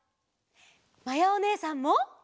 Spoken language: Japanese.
まやおねえさんも。